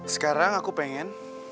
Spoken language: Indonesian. sekarang aku pengen